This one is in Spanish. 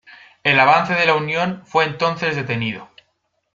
El avance de la Unión fue entonces detenido.